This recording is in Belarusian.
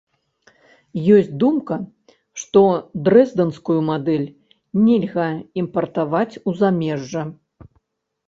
Ёсць думка, што дрэздэнскую мадэль нельга імпартаваць у замежжа.